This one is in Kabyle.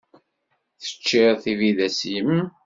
Teččiḍ tibidas-im?